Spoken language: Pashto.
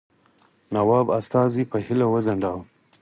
نواب استازی په هیله وځنډاوه.